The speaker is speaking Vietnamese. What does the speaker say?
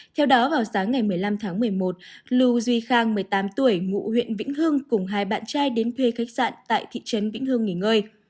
theo đó vào sáng ngày một mươi năm tháng một mươi một lưu duy khang một mươi tám tuổi ngụ huyện vĩnh hưng cùng hai bạn trai đến thuê khách sạn tại thị trấn vĩnh hương nghỉ ngơi